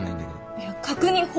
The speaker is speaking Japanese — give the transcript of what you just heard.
いや確認。